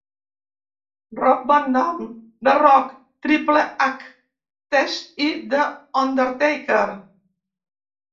Rob Van Dam, The Rock, Triple H, Test i "The Undertaker".